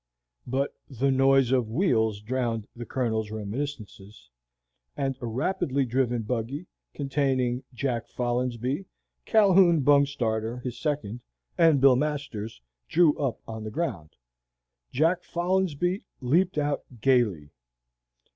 But the noise of wheels drowned the Colonel's reminiscences, and a rapidly driven buggy, containing Jack Folinsbee, Calhoun Bungstarter, his second, and Bill Masters, drew up on the ground. Jack Folinsbee leaped out gayly.